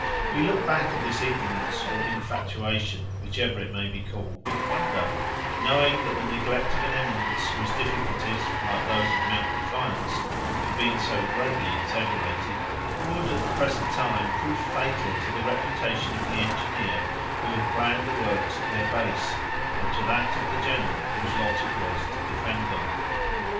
We look back at this ignorance, or infatuation, whichever it may be called, with wonder, knowing that the neglect of an eminence, whose difficulties, like those of Mount Defiance, have been so greatly exaggerated, would, at the present time, prove fatal to the reputation of the engineer who had planned the works at their base, or to that of the general whose lot it was to defend them.